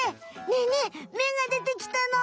ねえねえめがでてきたの！